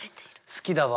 好きだわ。